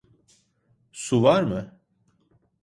Su var mı?